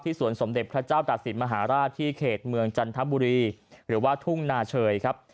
สวนสมเด็จพระเจ้าตากศิลปมหาราชที่เขตเมืองจันทบุรีหรือว่าทุ่งนาเชยครับ